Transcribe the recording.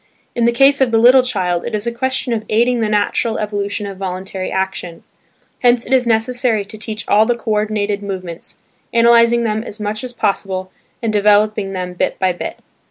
In the case of the little child it is a question of aiding the natural evolution of voluntary action. Hence it is necessary to teach all the co ordinated movements, analysing them as much as possible and developing them bit by bit.